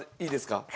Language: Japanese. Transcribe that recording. いいですか？